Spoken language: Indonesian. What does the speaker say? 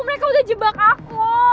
mereka udah jebak aku